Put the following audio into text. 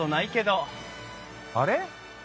あれ？